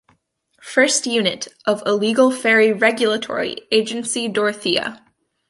First Unit of Illegal Fairy Regulatory Agency Dorothea.